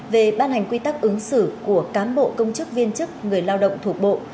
về ban hành quy tắc ứng xử của cán bộ công chức viên chức người lao động thuộc bộ